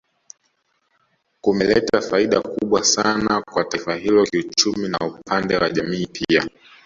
Kumeleta faida kubwa sana kwa taifa hilo kiuchumi na upande wa jamii pia